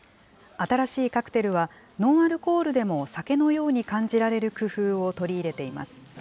新しいカクテルはノンアルコールでも酒のように感じられる工夫を取り入れています。